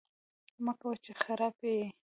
مکوه! چې خراپی یې